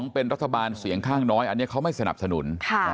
เป็นรัฐบาลเสียงข้างน้อยอันนี้เขาไม่สนับสนุน